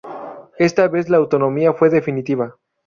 Esta vez, la autonomía fue definitiva.